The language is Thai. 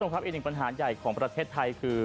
คุณผู้ชมครับอีกหนึ่งปัญหาใหญ่ของประเทศไทยคือ